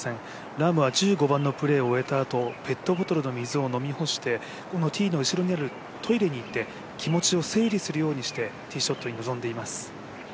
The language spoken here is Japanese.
ラームは１５番のプレーを終えたあと、ペットボトルの水を飲み干してティーの後ろにあるトイレに行って、気持ちを整理するようにしてティーショットに臨んでいます。